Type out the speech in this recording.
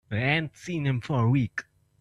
I ain't seen him for a week.